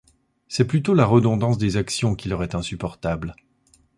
C’est plutôt la redondance des actions qui leur est insupportable.